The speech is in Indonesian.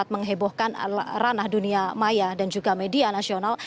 menghebohkan ranah dunia maya dan juga media nasional